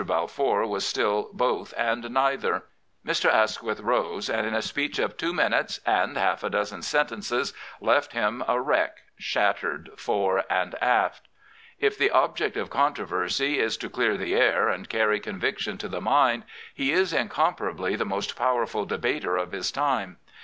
Balfour was still both and neither. Mr. Asquith rose, and in a speech of two minutes and half a dozen sentences left him a wreck, shattered fore and aft. If the object of controversy is to clear the air and :aiTy conviction to the mind, he is incomparably the nost powerful debater of his time.